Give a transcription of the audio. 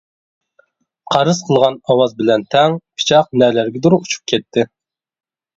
«قارس» قىلغان ئاۋاز بىلەن تەڭ، پىچاق نەلەرگىدۇر ئۇچۇپ كەتتى.